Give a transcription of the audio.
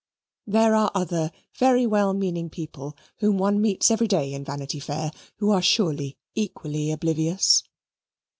There are other very well meaning people whom one meets every day in Vanity Fair who are surely equally oblivious.